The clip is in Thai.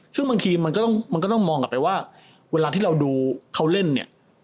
ซึ่งบางทีมันก็ต้องมองกลับไปว่าเวลาที่เราดูเขาเล่นเนี่ย